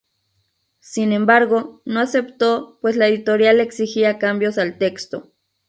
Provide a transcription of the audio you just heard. Sin embargo, no aceptó pues la editorial le exigía cambios al texto.